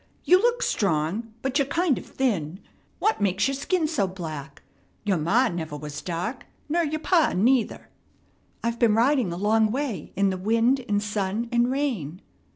You look strong, but you're kind of thin. What makes your skin so black? Your ma never was dark, ner your pa, neither." "I've been riding a long way in the wind and sun and rain."